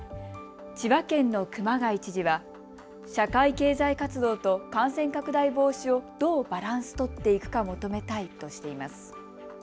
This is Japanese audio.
千葉県の熊谷知事は社会経済活動と感染拡大防止をどうバランス取っていくか求めたいとしています。